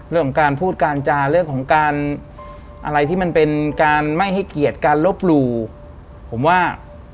เรื่องของการพูดการจาเรื่องของการอะไรที่มันเป็นการไม่ให้เกียรติการลบหลู่ผมว่า